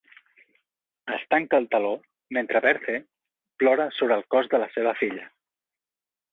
Es tanca el teló mentre Berthe plora sobre el cos de la seva filla.